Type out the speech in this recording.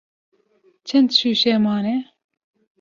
Çend şûşe mane?